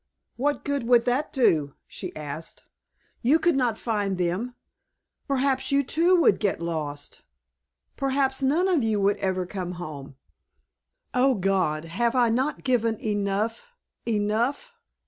"What good would that do?" she asked. "You could not find them—perhaps you too would get lost—perhaps none of you would ever come home. Oh, God, have I not given enough, enough!"